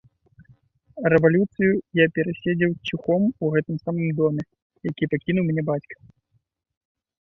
Рэвалюцыю я пераседзеў ціхом у гэтым самым доме, які пакінуў мне бацька.